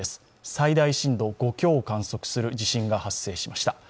最大震度５強を観測する地震が発生しました。